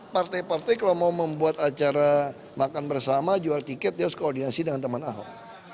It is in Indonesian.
partai partai kalau mau membuat acara makan bersama jual tiket dia harus koordinasi dengan teman ahok